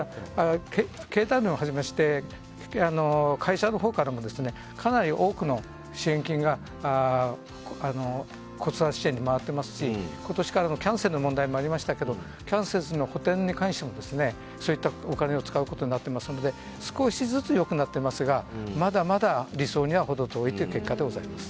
経団連をはじめまして会社のほうからもかなり多くの支援金が子育て支援に回っていますしキャンセルの問題もありましたけど、今年からキャンセルの補てんに関してもそういったお金を使うことになっていますので少しずつ良くなっていますがまだまだ理想には程遠い結果です。